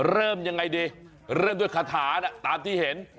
เริ่มยังไงดีเริ่มด้วยคาถาตามที่เห็น